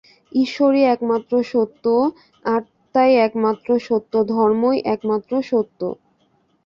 ঈশ্বরই একমাত্র সত্য, আত্মাই একমাত্র সত্য, ধর্মই একমাত্র সত্য।